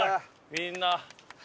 みんな。